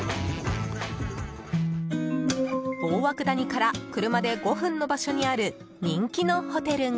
大涌谷から車で５分の場所にある人気のホテルが。